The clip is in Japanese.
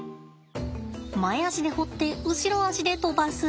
前足で掘って後ろ足で飛ばす。